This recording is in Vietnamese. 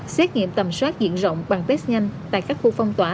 xét nghiệm tầm soát diện rộng bằng test nhanh tại các khu phong tỏa